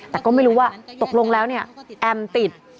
แต่ก็ไม่รู้ว่าตกลงแล้วเนี่ยแอมติด